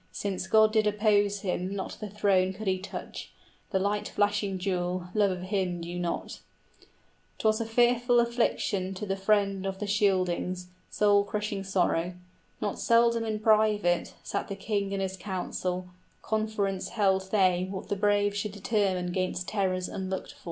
} (Since God did oppose him, not the throne could he touch, 55 The light flashing jewel, love of Him knew not). 'Twas a fearful affliction to the friend of the Scyldings {The king and his council deliberate in vain.} Soul crushing sorrow. Not seldom in private Sat the king in his council; conference held they What the braves should determine 'gainst terrors unlooked for.